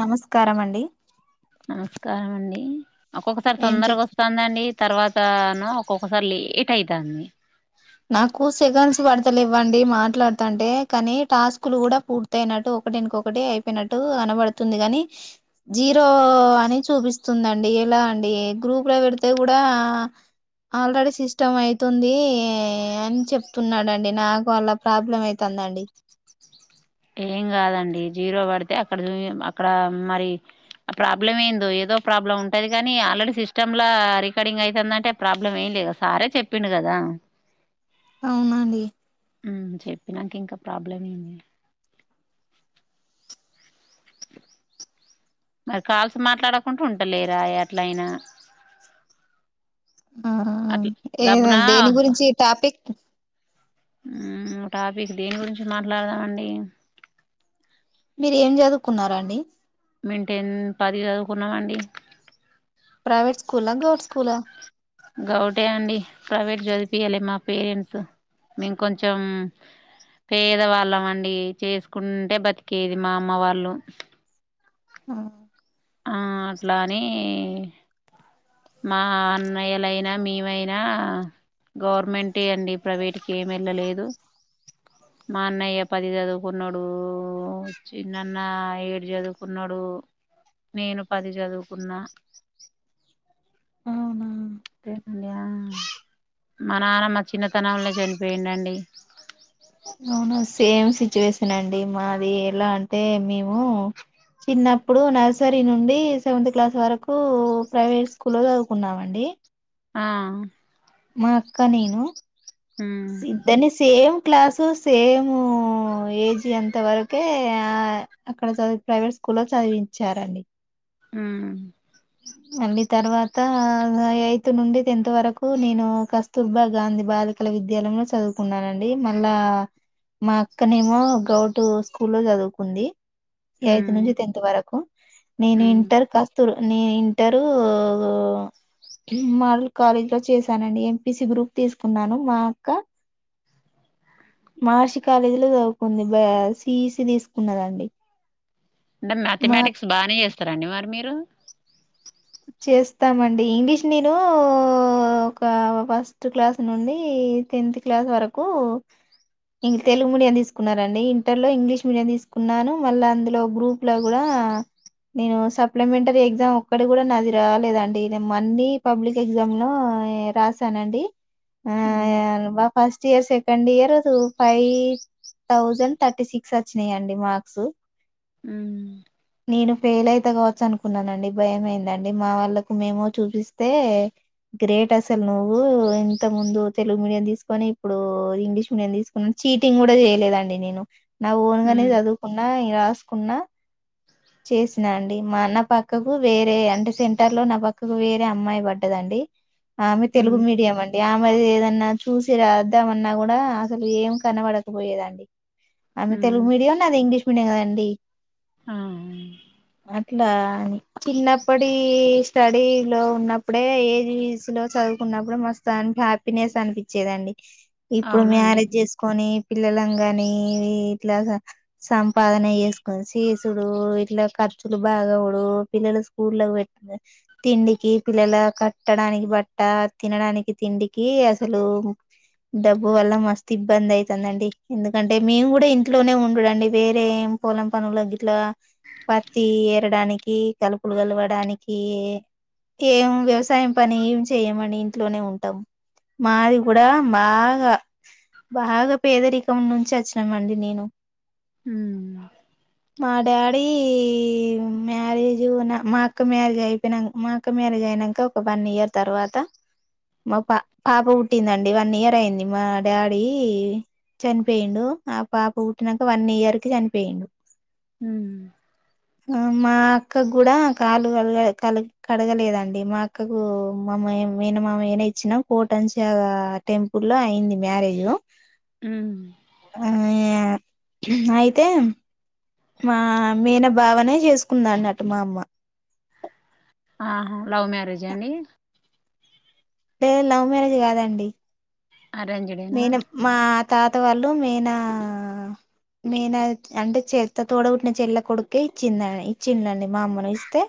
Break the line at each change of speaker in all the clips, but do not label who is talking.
నమస్కారం అండి.
నమస్కార అండి. ఒక్కొక్కసారి
ఏం చే
తొందరగా వస్తందండి. తర్వాత [unintelligible] ఒక్కొక్కసారి లేట్ అయితంది.
నాకు సెకండ్స్ పడతలేవ్వండి. మాట్లాడతంటే కానీ టాస్కులు కూడా పూర్త అయినట్టు ఒకటి వెనుక ఒకటి అయిపోయినట్టు కనబడుతుంది. కాని జీరో అని చూపిస్తదండి. ఎలా అండి గ్రూప్ లో పెడితే కూడా ఆల్రెడీ సిస్టమ్ అయితుంది. అని చెప్తున్నాడండి. నాకు అలా ప్రాబ్లం అయితాదండి.
ఏం కాదండి. జీరో పడితే అక్కడ అక్కడ మరి ఆ ప్రాబ్లం ఏందో ఏదో ప్రాబ్లం ఉంటది. కాని ఆల్రెడీ సిస్టమ్లా రికార్డింగ్ అయితదంటే ప్రాబ్లం ఏం లేదు సారే చెప్పిండు. కదా
అవునండి.
చెప్పినాక ఇంకా ప్రాబ్లం ఏంది. మరి కాల్స్ మాట్లాడకుంట ఉంటలేరా అట్లా అయినా
ఆ ఏ దేని గురించి టాపిక్
టాపిక్ దేని గురించి మాట్లాడదామండి.
మీరు ఏం చదువుకున్నా రాండి.
మేమ్ టెన్ పది చదువుకున్నామండి.
ప్రైవేట్ స్కూల్, గౌట్ స్కూల్ ఆ
గౌటే అండి ప్రైవేట్ చదిపియాలి మా పేరెంట్స్ మేం కొంచెం పేదవాళ్ళం అండి చేసుకుంటే బతికేది మా అమ్మ వాళ్ళు
ఆ
అట్లాని మా అన్నయ్యలైనా మేమైనా గవర్నమెంటే అండి ప్రైవేట్కి ఏమి వెళ్ళలేదు మా అన్నయ్య పది చదువుకున్నాడు చిన్నన్న ఏడు చదువుకున్నాడు నేను పది చదువుకున్నా
అవునా
అేనండి మా నాన్నమ్మ చిన్నతనంలోనే చనిపోయిండండి
అవును సేమ్ సిచ్యువేషన్ అండి మాది ఎలా అంటే మేము చిన్నప్పుడు నర్సరీ నుండి సెవెంతత్ క్లాస్ వరకు ప్రైవేట్ స్కూల్ లో చదువుకున్నామండి
ఆ
మా అక్క నేను
ఉమ్
ఇద్దని సేవ క్లాసు సేమ్ ఏజ్ ఎంత వరకే ఆ అక్కడ చది ప్రైవేట్ స్కూల్లో చదివించారండి
ఆ
మళ్ళీ తర్వాత ఎయిత్ నుండి టెన్త్ వరకు నేను కస్తూర్బా గాంధీ బాలికల విద్యాలయంలో చదువుకున్నానండి మళ్ళా మా అక్కనేమో గౌటు స్కూల్ లో చదువుకుంది ఎయిదు
ఉమ్
నుంచి టెన్త్ వరకు నేను
ఉమ్
ఇంటర్ కస్తూరు నేను ఇంటరు మాడల్ కాలేజ్ లో చేశానండి ఎంపిసి గ్రూప్ తీసుకున్నాను మా అక్క మహర్షి కాలేజీ లో చదువుకుంది సిీఈసి తీసుకున్నదండి
అంటే
మా
మ్యాథమెటిక్స్ బాగానే చేస్తారండి మారు మీరు ర
చేస్తామండి ఇంగ్లీష్ నేను ఒక ఫస్ట్ క్లాస్ నుండి టెన్త్ క్లాస్ వరకు తెలుగు మీడియం తీసుకున్నండి ఇంటర్ లో ఇంగ్లీష్ మీడియం తీసుకున్నాను మళ్ళీ అందులో గ్రూప్ లో కూడా నేను సప్లిమెంటరీ ఎగ్జామ్ ఒ అక్కడు కూడా నాది రాలేదండి నేను అన్ని పబ్లిక్ ఎగ్జామ్ లో రాసానండి ఆ
ఉమ్
బా ఫస్ట్ ఇయర్ సె second year five thousand thirty six వచ్చినాయిండి మార్క్స్
ఉమ్
నేను ఫెయిల్ అయిత కావా అనుకున్నానండి భయమైందండి మా వాళ్ళకు మేమో చూపిస్తే గ్రేట్ అసలు నువ్వు ఇంత ముందు తెలుగు మీడియం తీసుకొని ఇప్పుడు ఇంగ్లీష్ మీడియం తీసుకుని చీటింగ్ కూడా చేయలేదండి నేను నా ఓనుగానే
ఉమ్
చదువుకున్న రాసుకున్నా చేసినా అండి మా అన్న పక్కకు వేరే అంటే సెంటర్ లో నా పక్కకు వేరే అమ్మాయి పడ్డదండి ఆమె
ఉమ్
తెలుగు మీడియం అండి ఆమెది ఏదై అన్నా చూసి రాద్దామన్నా కూడా అసలు ఏం కనబడకపోయేదండి అమె
ఉమ్
తెలుగు మ మీడియయం నది ఇంగ్లీ పుణగాదండి
ఆ
[inaudible] ఇలా అ చిన్నప్పటి స్టడీ లో ఉన్నప్పుడే ఏజ లో చదువుకున్నప్పుడే మస్తు అని హ్యాపీనెస్ అనిపించేదండి ఇప్పుడు
అవునండి
మ్యారేజ్ చేసుకొని పిల్లల కాని ఇట్లా సంపాదన చేసుకొని డు ఇట్లా ఖర్చులు బాగడు పిల్లలు స్కూల్ లో పె తిండికి పిల్లల కట్టడానికి బట్ట తినడానికి తిండికి అసలు డబ్బు వల్ల మస్తు ఇబ్బంది అవుతుందండి ఎందుకంటే మేము కూడా ఇంట్లోనే ఉండడండి వేరేం పొలం పనుల ఇంట్లా పత్తి ఎరడానికి కలుపులు కలవడానికి ఏం వ్యవసాయం పని ఏమి చేయ్యమని ఇంట్లోనే ఉంటాం మాది కూడా బాగా బాగా పేదరికం నుంచి వచ్చినామ అండి నేను
హ
మా డాడీ మ్యారేజ్ నా మా అక్క మ్యారేజ్ అయిపోయినాక మా అక్క మ్యారేజ్ అయినాక ఒక వన్ ఇయర్ తర్వాత మా పా పాప పుట్టిందండి వన్ ఇయర్ అయింది మా డాడీ చనిపోయిండు ఆ పాప పుట్టినాక వన్ ఇయర్ కి చనిపోయిండు
హ
మా అక్క కూడా కాలు కలగ కల కడగలేదండి మా అక్కకు మామ మేన మామ ఏనా ఇచ్చినా కోటన్స టెంపుల్ లో అయింది మ్యారేజ్
అ
ఆ అయితే మా మీన భావనే చేసుకుందా అన్నట్టు మా అమ్మ
ఆహా లవ్ మ్యారేజ్ అండి
లే లవ్ మ్యారేజ్ కాదండి
అరేంజ్డ్ ఏ నా
మేన మా తాత వాళ్ళు మేయినా మేనా అంటే చె తోడబట్టిన చెల్ల కొడుకుే ఇచ్చింది ఇచ్చిందిండి మా అమ్మను ఇస్తే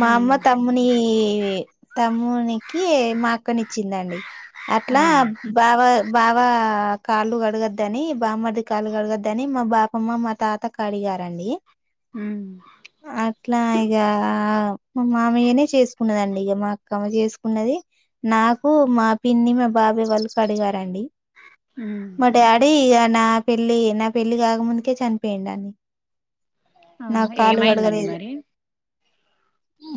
మా అమ్మ
ఉమ్
తమ్ముని తమ్మునికి మా అక్కని ఇచ్చిందండి
ఆ
అట్లా బాబ వా కాళ్ళు కడగద్దని బామ్మది కాలు కడగద్దని మా బాపమ్మ మా తాత కడిగారండి
ఉమ్
ఇట్లా ఇక మా మామయ్యనే చేసుకున్నదండి ఇక మా అక్కమ్మ చేసుకున్నది నాకు మా పిన్ని మా బాబాయ్ వాళ్ళు కడగాలి రండి
ఉమ్
మా డాడీ అ నా పెళ్ళి నా పెళ్లిి కాకముందుకే చనిపోయండి అని
ఆ
నా కాలు
ఏమైందండి
గడగలేదు
మరి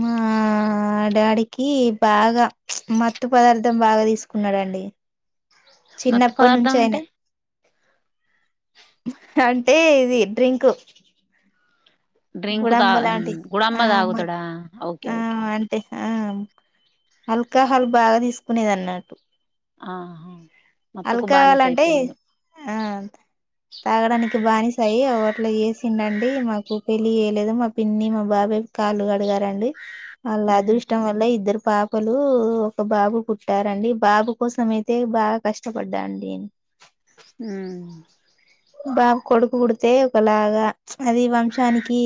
మా డాడీకి బాగా మత్తు పదార్థం బాగా తీసుకున్నాడండి
మత్తు
చిన్నప్పటి
పదార్థం
నుంచి ఆయన
అంటే
అంటే ఇది డ్రింక్
డ్రింక్ ద
గుడంబ లాంటి
గుడమ్బ
ఆ మ
దాగుతడా ఓకే
ఆ
ఓకే
అంటే ఆ అల్కాహాల్ బాగా తీసుకునేది అన్నట్టు
ఆ మటుకుబనిస
ఆల్కహాల్ అంటే
అయిపోయిం డు
ఆ తాగడానికి బానిసాయి అట్లా చేసిండండి మాకు పెళ్ళి చేయలేదు మా పిన్ని మా బాబాయి కాళ్లుు గ డిగారండి అల్
ఉమ్
అదృష్టం వల్ల ఇద్దరు పాపలు ఒక బాబు పుట్టారండి బాబు కోసం అయితే బాగా కష్టపడ్డాండి
ఉమ్
బాగా కొడుకు పుడితే ఒకలాగా అది వంశానికి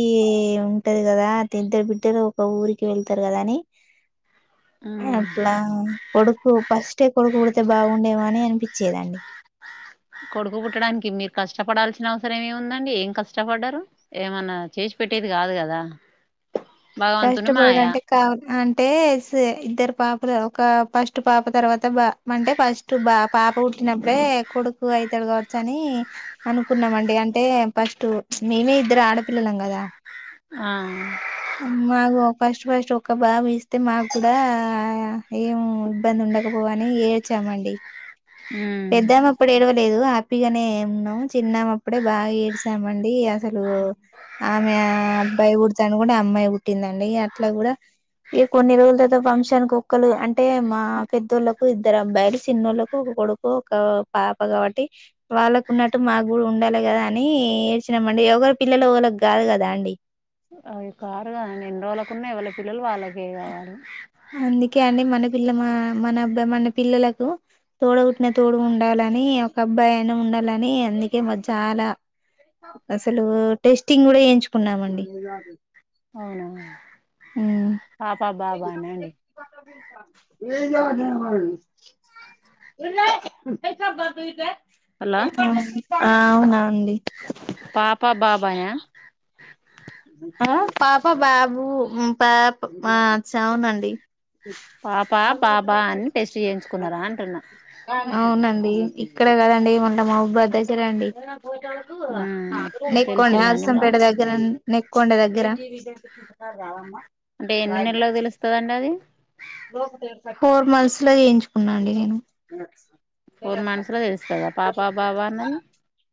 ఉంటది కదా ది ఇద్దరు బిడ్డలు ఒక ఊరికి వెళ్తారు కదా అని
ఉమ్
అట్లా కొడుకు ఫస్టే కొడుకు పుడితే బాగుండేవ అని అనిపించేదండి
కొడుకు పుట్టడానికి మీరు కష్టపడాల్సిన అవసరం ఏముందండి ఏం కష్టపడ్డరు ఏమన్నా చేసి పెట్టేది కాదు కదా భగవంతుని
కష్టపడు
మాయ
అంటే కావా అంటే ఇద్దరు పాపలు ఒక ఫస్ట్ పాప తర్వాత బ అంటే ఫస్ట్ బ పాప పుట్టినప్పుడే కొడుకు అయితడు కావచ్చ అని అనుకున్నామ అండి అంటే ఫస్ట్ మేమే ఇద్దరు ఆడపిల్లలం కదా
ఆ
మాకు ఫస్ట్ ఫస్ట్ ఒక బాబు ఇస్తే మాకు కూడా ఏం ఇబ్బంది ఉండకపోవని ఏడ్చామండి
ఉమ్
పెద్దాం అప్పుడు ఏడవలేదు హ్యాప్గానే ఏ ఉన్నాం చిన్నం అప్పుడే బాగా ఏడ్చామండి అసలు ఆమె అబ్బాయి పుడుతే అనుకుంటే అమ్మాయి పుట్టిందండి అట్లా కూడా ఇక కొన్ని రోజులతోతో ఫంక్షానికి ఒక్కళ్రు అంటే మా పెద్దోళ్ళలకు ఇద్దరు అబ్బాయిలు చిన్నోళ్ళలకు ఒక కొడుకు ఒక పాప కాబట్టి వాళ్ళకు ఉన్నట్టు మాకు కూడా ఉండాలి కదా అని ఏడ్చినామండి ఎవరు పిల్లలు ఒకళ్ళకి కాదు కదా అండి
అవి కారు కాద ఎన్ని రోజులకున్నా ఎవళ పిల్లలు వాళ్ళకే కావాలి
అందుకే అండి మన పిల్ల మా మన అబ్బాయి మన పిల్లలకు తోడ పుట్టిన తోడు ఉండాలని ఒక అబ్బాయి అయినా ఉండాలని అందుకే చాలా అసలు టెస్టింగ్ కూడా వయించుకున్నామండి
అవునా పాప బాబానేండి
ఆ అవును ఆ
పాపా బాబాయా
ఆ పాప బాబు పాప ఆ చావునండి
పాపా బాబా అని టెస్ట్ చేయించుకున్నారా అంటున్నా
ఇక్కడే కదండి
ఉమ్
నీకునే
తెలిసిందండి
అసం
మరి
పేట దగ్గరం కుక్కండ దగ్గర
అంటే ఎన్ని నెలలకు తెలుస్తుదండి అది
ఫోర్ మంత్స్ లో చేయించుకున్నాండి నేను
ఫోర్ మంత్స్ లో తెలుస్తుందా పాప బాబా అన్నది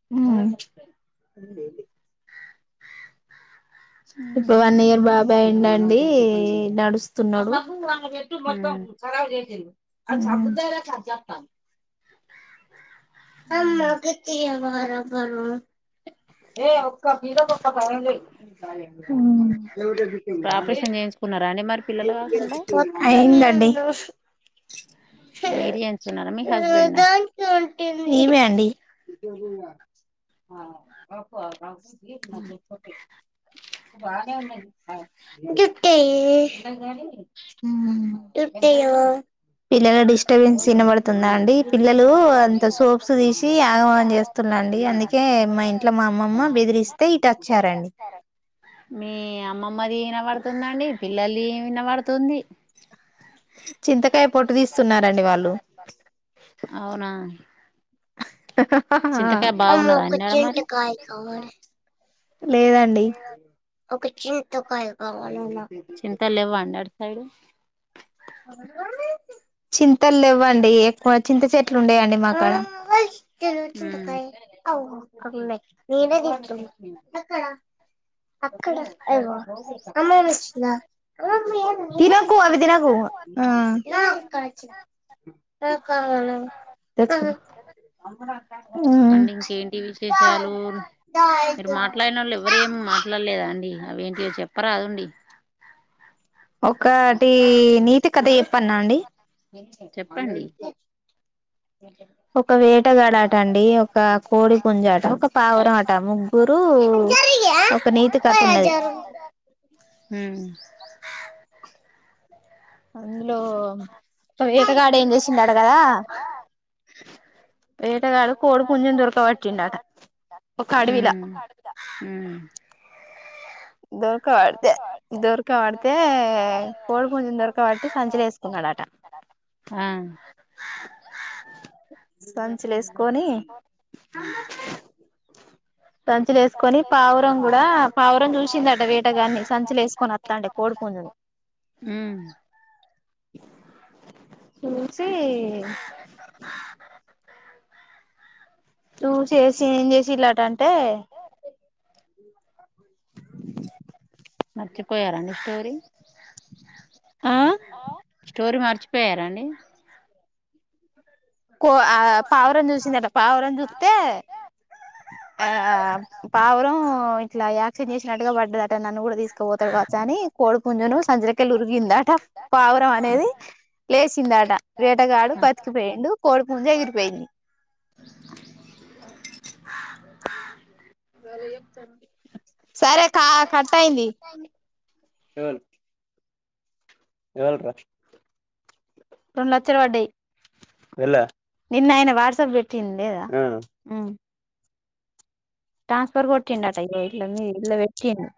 ఆ ఇప్పుడు వన్ ఇయర్ బాబా అండ అండి నడుస్తున్నాడు
ఉమ్
రు ఏ ఒక్క ఫీరోక ఒక్క ప
ఆపరేషన్ చేయించుకున్నారా అండి మరి పిల్లలు కాకుండా
అయిందండి
మీరు చేయించుకున్నారా మీ హస్బెండా
ఈమె అండి మోట పిల్లల డిస్టర్బెన్స్ వినబడుతుందా అండి పిల్లలు సోప్స్ తీసి ఆగమాగం చేస్తున్నాండి అందుకే మా ఇంట్లో మా అమ్మమ్మ బెదిరిస్తే ఇటు వచ్చారండి
మీ అమ్మమ్మ దన పడుత పతుందండి పిల్లల్ వినబడుతుంది
చింతకాయ పొట్టు తీస్తున్నారండి వాళ్ళు
అవునా చింతకాయ బాగున్నదా
అమకు
అండి ఆడ మరి
చిింటకాయ కావడ లేదండి ఒక చింతకాయ కావాల
చింతల్ లేవు అండి అట్ సైడు
అవు చింతల్ లెవ్వండి ఎక్కువ చింత చెట్లు ఉండయండి మాకడా
ఉమ్
తినకు అవి దినకు ఆ
చెప్పండి ఇంకేంటి విశేషాలు మీరు మాట్లాడినోళ్ళు ఎవ్వరేమి మాట్లాడలేదా అండి అవేంటివో చెప్ప పరాదుండీ.
ఒకటి నీతి కథ చెప్పన్నా అండి. అ
చెప్పండి
ఇక ఒక వేటగాడ ఆట అండి ఒక కోడీ పుంజు ఆట ఒక పావురం ఆట ముగ్గురు ఒక నీతి కత ఉన్నది.
ఉమ్
అందులో ఒక వేటగాడు ఏం చేసిండట కదా వేటగాడు కోడి పుంజున్ దొరకబట్టిండట ఒక అడవిలా
ఊ
దొరకబడితే దొరక పడితే కోడి పుంజున్ దొరకబట్టి సంచిలో వేసుకున్నాడట
ఆ
సంచిలో వేసుకొని సంచిలో వేసుకొని పావురం కూడా పావురం చూసి వచ్చిందట వేటగాన్ని సంచులో వేసుకొని వస్తాండే కోడి పుంజును
ఉమ్
చూసి చూ చేసి ఏం చేసి ఇలాటంటే
ఆ స్టోరీ మర్చిపోయారా అండి.
కో ఆ పావురం చూసిందట పావురం చూస్తే ఆ పావురం ఇట్లా యాక్షన్ చేసినట్టుగా పడ్డదట నన్ను కూడా తీసుకుపోతాడు కావచ్చని కోడి పుంజును సంచిలేకెళ్ళ ఉరిగిందట పావురం అనేది లేచిందట వేటగాడు బతికిపోయిండు కోడి పుంజు ఎగిరీపోయింది. సరే కా కట్ అయింది. రెండు లక్షలు పడ్డాయి నిన్న ఆయన వాట్సాప్ పెట్టిండ్లేదా ట్రాన్స్ఫర్ కొట్టిండటా ఇలట్ల మీ ఇల్ వెట్టిండి.